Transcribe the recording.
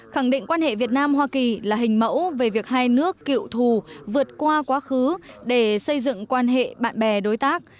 khẳng định quan hệ việt nam hoa kỳ là hình mẫu về việc hai nước cựu thù vượt qua quá khứ để xây dựng quan hệ bạn bè đối tác